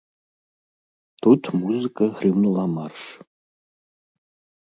Тут музыка грымнула марш.